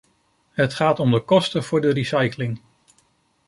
Het gaat om de kosten voor de recycling.